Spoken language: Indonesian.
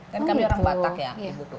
kan kami orang batak ya ibuku